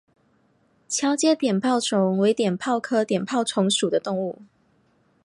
桥街碘泡虫为碘泡科碘泡虫属的动物。